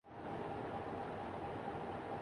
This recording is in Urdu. تمہیں کافی دیر سے اٹھانا چاہتا تھا۔